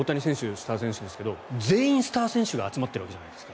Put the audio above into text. スター選手ですけど全員スター選手が集まっているわけじゃないですか。